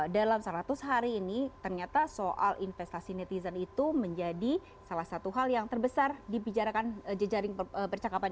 dalam seratus hari ini ternyata soal investasi netizen itu menjadi salah satu hal yang terbesar dibicarakan jejaring percakapan